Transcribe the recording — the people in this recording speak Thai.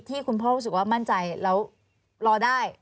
คุณพ่อรู้สึกว่ามั่นใจแล้วรอได้